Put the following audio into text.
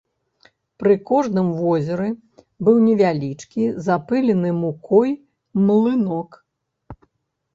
Пры кожным возеры быў невялічкі запылены мукой млынок.